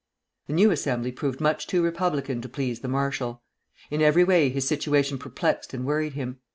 The new Assembly proved much too republican to please the marshal. In every way his situation perplexed and worried him.